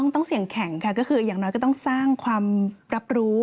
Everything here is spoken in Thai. ต้องเสี่ยงแข่งค่ะก็คืออย่างน้อยก็ต้องสร้างความรับรู้